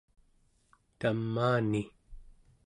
tamaani